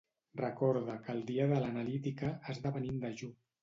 Recorda que el dia de l'analítica has de venir en dejú.